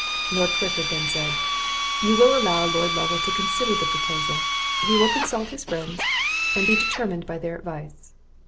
Lord Clifford then said "You will allow Lord Lovel to consider of the proposal; he will consult his friends, and be determined by their advice."